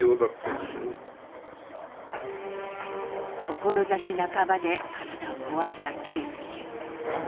志半ばで体をこわした啓介。